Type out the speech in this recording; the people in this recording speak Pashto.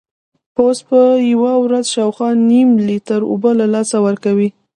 پوست په یوه ورځ شاوخوا نیم لیټر اوبه له لاسه ورکوي.